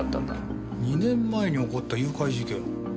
２年前に起こった誘拐事件。